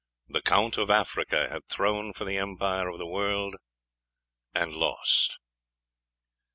The Count of Africa had thrown for the empire of the world and lost.